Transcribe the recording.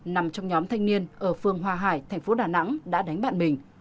nằm trong nhóm thanh niên ở phường hòa hải tp đà nẵng đã đánh bạn mình